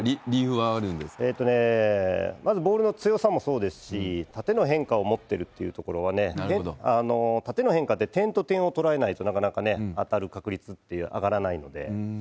まずボールの強さもそうですし、縦の変化を持ってるっていうところは、縦の変化って、点と点を取らえないとなかなか当たる確率って上がらないので。